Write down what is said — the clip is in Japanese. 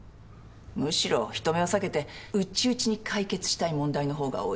むしろ人目を避けて内々に解決したい問題のほうが多い。